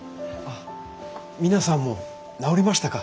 皆さんも治りましたか。